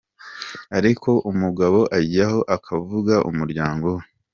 Aliko umugabo ajyaho akavuga umuryango we